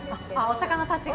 お魚たちが？